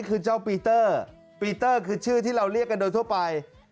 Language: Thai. คือเจ้าปีเตอร์ปีเตอร์คือชื่อที่เราเรียกกันโดยทั่วไป